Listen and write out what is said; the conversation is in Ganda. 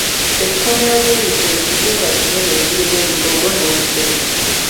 Ekkuumiro ly'ebisolo kizinga kinene ekirimu ebitoogo n'obusozi.